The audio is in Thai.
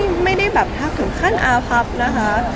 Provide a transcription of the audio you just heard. ไม่ได้แบบถึงขั้นอาพับนะคะ